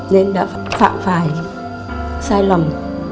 nên đã phạm phải sai lầm